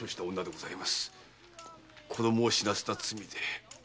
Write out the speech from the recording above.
子どもを死なせた罪で。